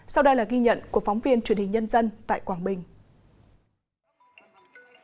sau đây là ghi nhận của phóng viên truyền hình nhân dân tại quảng bình